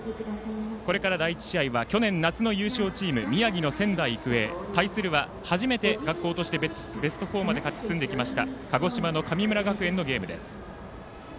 これから第１試合は去年夏の優勝チーム、宮城、仙台育英対するは始めて学校としてベスト４まで勝ち進んできました鹿児島の神村学園の試合です。